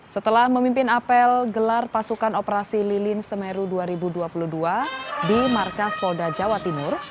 setelah memimpin apel gelar pasukan operasi lilin semeru dua ribu dua puluh dua di markas polda jawa timur